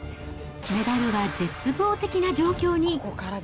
メダルは絶望的な状況に。